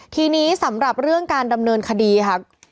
ทีนี้สำหรับเรื่องการดำเนินคดีค่ะ